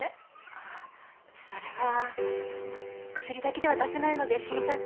あっそれはあっ薬だけでは出せないので診察を。